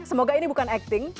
semoga ini bukan acting